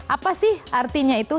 apa sih artinya itu